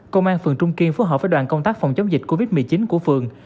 công an phường trung kiên phối hợp với đoàn công tác phòng chống dịch covid một mươi chín của phường